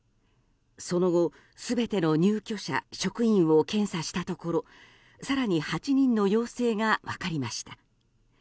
その後、全ての入居者、職員を検査したところ更に８人の陽性が分かりました。